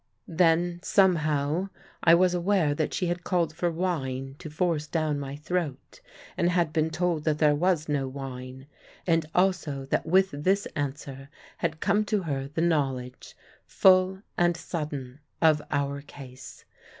Then somehow I was aware that she had called for wine to force down my throat, and had been told that there was no wine; and also that with this answer had come to her the knowledge, full and sudden, of our case.